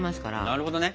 なるほどね。